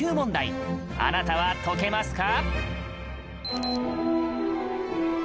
あなたは解けますか？